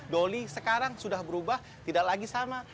doli sekarang sudah berubah tidak lagi sama